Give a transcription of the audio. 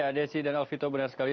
ya desi dan alvito benar sekali